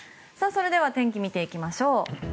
それでは天気を見ていきましょう。